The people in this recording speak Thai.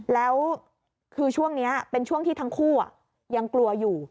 แล้วคือช่วงนี้เป็นช่วงที่ทั้งคู่ยังกลัวอยู่